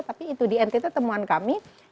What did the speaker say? tapi itu di ntt temuan kami